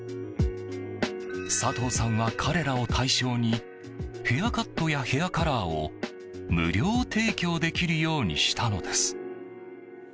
佐東さんは彼らを対象にヘアカットやヘアカラーを無料提供できるようにしたのです。